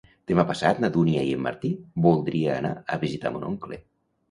Demà passat na Dúnia i en Martí voldria anar a visitar mon oncle.